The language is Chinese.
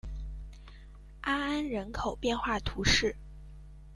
阿安人口变化图示